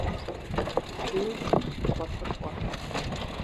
Пежьи тхуэлӏыкӏуэ.